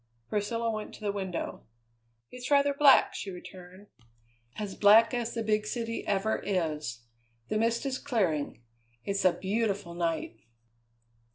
Priscilla went to the window. "It's rather black," she returned; "as black as the big city ever is. The mist is clearing; it's a beautiful night."